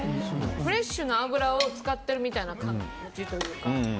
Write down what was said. フレッシュな油を使ってるみたいな感じというか。